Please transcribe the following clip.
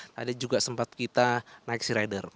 tadi juga sempat kita naik searider